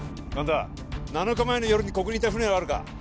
神田７日前の夜にここにいた船はあるか？